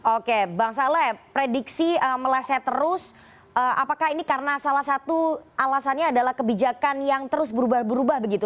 oke bang saleh prediksi meleset terus apakah ini karena salah satu alasannya adalah kebijakan yang terus berubah berubah begitu